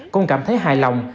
cũng cảm thấy hài lòng